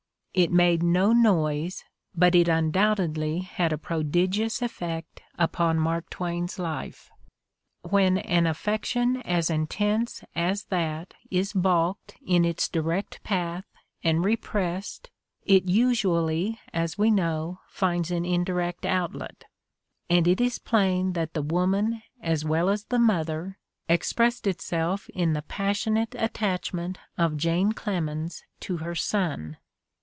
It made no noise, but it undoubtedly had a prodigious effect upon Mark Twain's life. When an affection as intense as that is balked in its direct path and repressed it usually, as we know, finds an indirect outlet ; and it is plain that the woman as well as the mother expressed itself in the passionate attachment of Jane Clemens to her son.